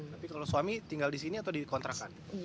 tapi kalau suami tinggal di sini atau di kontrakan